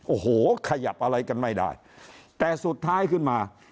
โอ้โหขยับอะไรกันไม่ได้แต่สุดท้ายขึ้นมา